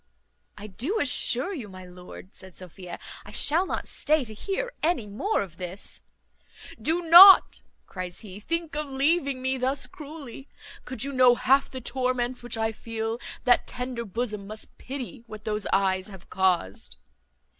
"I do assure you, my lord," said Sophia, "I shall not stay to hear any more of this." "Do not," cries he, "think of leaving me thus cruelly; could you know half the torments which I feel, that tender bosom must pity what those eyes have caused."